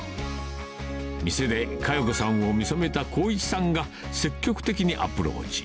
店で香代子さんを見初めた光一さんが、積極的にアプローチ。